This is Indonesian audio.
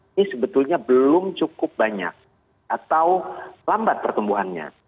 ini sebetulnya belum cukup banyak atau lambat pertumbuhannya